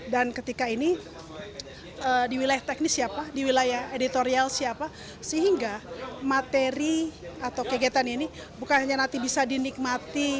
dan ketika ini di wilayah teknis siapa di wilayah editorial siapa sehingga materi atau kegiatan ini bukan hanya nanti bisa dinikmati